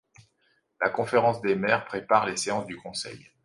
La conférences des maires prépare les séances du conseil.